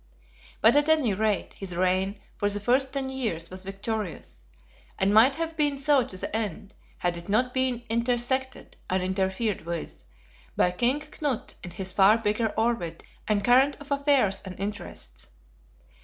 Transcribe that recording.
But, at any rate, his reign for the first ten years was victorious; and might have been so to the end, had it not been intersected, and interfered with, by King Knut in his far bigger orbit and current of affairs and interests.